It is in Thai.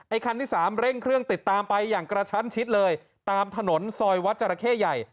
คันที่สามเร่งเครื่องติดตามไปอย่างกระชั้นชิดเลยตามถนนซอยวัดจราเข้ใหญ่